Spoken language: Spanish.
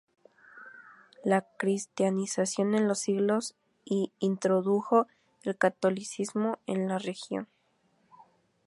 La cristianización en los siglos y introdujo el catolicismo en la región.